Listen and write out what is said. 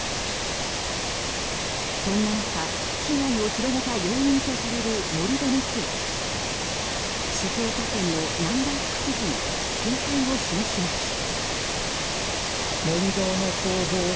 そんな中、被害を広げた要因とされる盛り土について静岡県の難波副知事が見解を示しました。